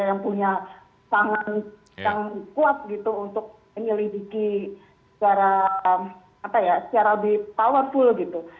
yang punya tangan yang kuat gitu untuk menyelidiki secara lebih powerful gitu